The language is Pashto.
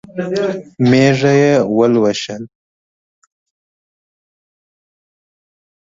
مېږه یې ولوسله.